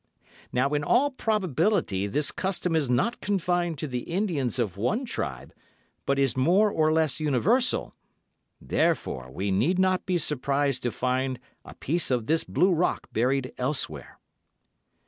Now in all probability this custom is not confined to the Indians of one tribe, but is more or less universal; therefore we need not be surprised to find a piece of this blue rock buried elsewhere."